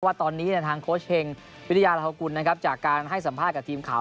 ว่าตอนนี้ทางโค้ชเฮงวิทยาลาฮกุลนะครับจากการให้สัมภาษณ์กับทีมข่าว